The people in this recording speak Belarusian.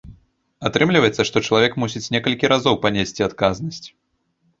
Атрымліваецца, што чалавек мусіць некалькі разоў панесці адказнасць.